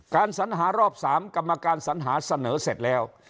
การสรรหารอบสามกรรมการสรรหาเสนอเสร็จแล้ว